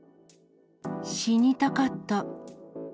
死にたかった。